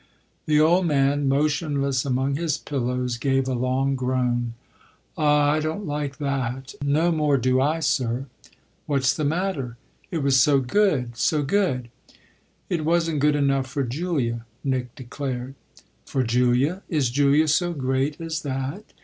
The old man, motionless among his pillows, gave a long groan. "Ah I don't like that." "No more do I, sir." "What's the matter? It was so good so good." "It wasn't good enough for Julia," Nick declared. "For Julia? Is Julia so great as that?